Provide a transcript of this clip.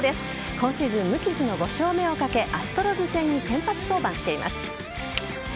今シーズン無傷の５勝目をかけアストロズ戦に先発登板しています。